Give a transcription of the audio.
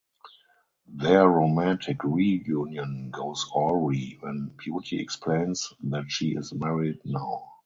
Their romantic reunion goes awry when Beauty explains that she is married now.